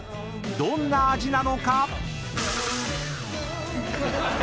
［どんな味なのか？］